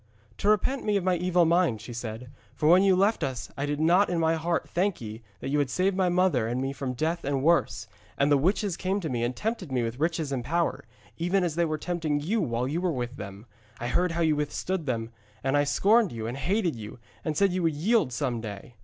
'To repent me of my evil mind,' she said. 'For when you left us I did not in my heart thank ye that you had saved my mother and me from death and worse. And the witches came to me and tempted me with riches and power, even as they were tempting you while you were with them. I heard how you withstood them, and I scorned you and hated you and said you would yield some day.